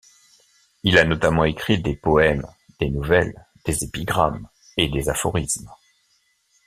Il a notamment écrit des poèmes, des nouvelles, des épigrammes et des aphorismes.